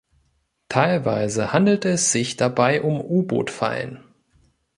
Teilweise handelte es sich dabei um U-Boot-Fallen.